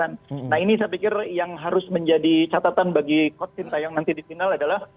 nah ini saya pikir yang harus menjadi catatan bagi coach sintayong nanti di final adalah